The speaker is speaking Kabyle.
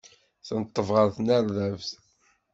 Tenṭeb ɣer tnerdabt.